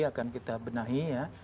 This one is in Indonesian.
akan kita benahi ya